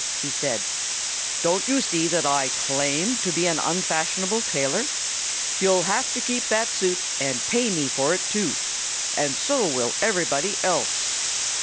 he said. "Don't you see that I claim to be an unfashionable tailor? You'll have to keep that suit, and pay me for it, too. And so will everybody else."